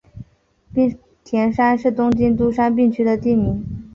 滨田山是东京都杉并区的地名。